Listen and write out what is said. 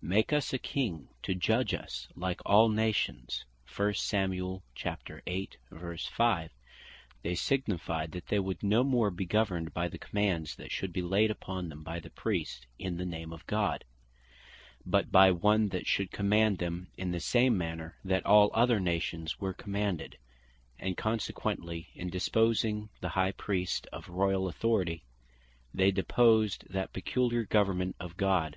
5.) "make us a King to judge us, like all the Nations," they signified that they would no more bee governed by the commands that should bee laid upon them by the Priest, in the name of God; but by one that should command them in the same manner that all other nations were commanded; and consequently in deposing the High Priest of Royall authority, they deposed that peculiar Government of God.